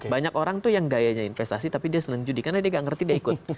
banyak orang tuh yang gayanya investasi tapi dia senang judi karena dia gak ngerti dia ikut